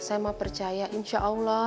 saya mau percaya insya allah